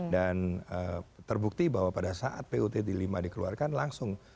dan terbukti bahwa pada saat putd lima dikeluarkan langsung